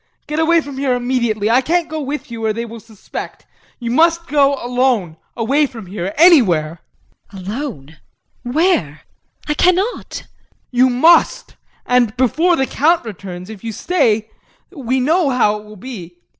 Get away from here immediately. I can't go with you or they will suspect. You must go alone away from here anywhere. JULIE. Alone? Where? I cannot. JEAN. You must and before the Count returns. If you stay, we know how it will be.